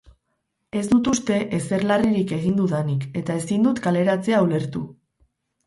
Ez dut uste ezer larririk egin dudanik eta ezin dut kaleratzea ulertu.